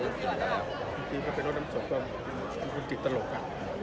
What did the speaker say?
วันนี้ก็จะเปลวรดนมสกก็ตลกกะ